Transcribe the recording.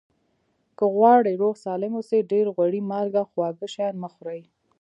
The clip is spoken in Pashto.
که غواړئ روغ سالم اوسئ ډېر غوړي مالګه خواږه شیان مه خوری